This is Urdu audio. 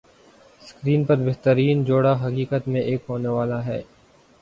اسکرین پر بہترین جوڑا حقیقت میں ایک ہونے والا ہے